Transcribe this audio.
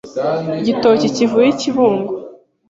igitoki kivuye i Kibungo